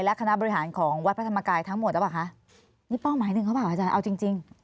และคณะบริหารของวัดพระธรรมกายทั้งหมดหรือเปล่าคะนี่เป้าหมายหนึ่งหรือเปล่าอาจารย์เอาจริงจริง